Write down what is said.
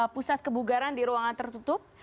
pusat kebugaran di ruangan tertutup